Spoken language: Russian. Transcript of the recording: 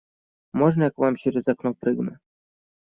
Можно, я к вам через окно прыгну?